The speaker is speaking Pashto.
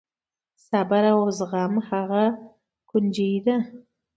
صبر او زغم هغه کونجي ده.